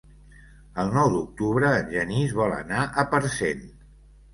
El nou d'octubre en Genís vol anar a Parcent.